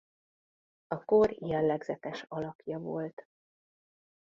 A kor jellegzetes alakja volt.